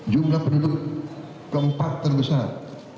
jumlah penduduk keempat terbesar